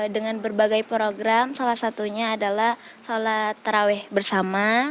dengan berbagai program salah satunya adalah sholat terawih bersama